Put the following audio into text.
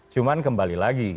cuma kembali lagi